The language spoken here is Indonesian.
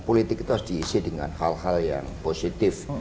politik itu harus diisi dengan hal hal yang positif